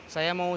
saya mau curhat